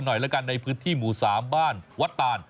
ตรงไหนบอกกันหน่อยล่ะกันในพื้นที่หมู่๓บ้านวัดตาล